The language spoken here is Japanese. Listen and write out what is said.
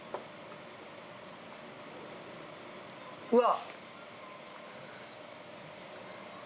うわ！